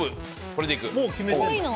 これでいく。